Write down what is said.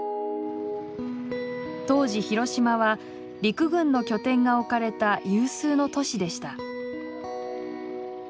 当時広島は陸軍の拠点が置かれた有数の都市でした。